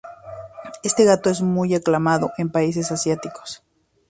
Este gato es muy aclamado en países asiáticos.